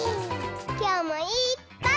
きょうもいっぱい。